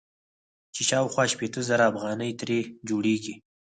چې شاوخوا شپېته زره افغانۍ ترې جوړيږي.